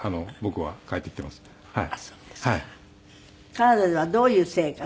カナダではどういう生活。